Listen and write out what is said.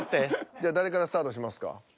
じゃ誰からスタートしますか？